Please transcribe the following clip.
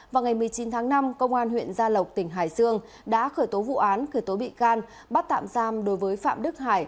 vào ngày một mươi chín tháng năm công an huyện gia lộc tỉnh hải dương đã khởi tố vụ án khởi tố bị can bắt tạm giam đối với phạm đức hải